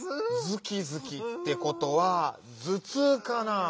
「ずきずき」ってことはずつうかなぁ？